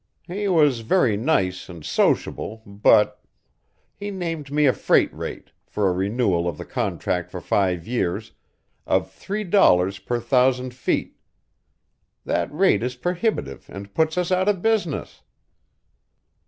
He was very nice and sociable, but he named me a freight rate, for a renewal of the contract for five years, of three dollars per thousand feet. That rate is prohibitive and puts us out of business."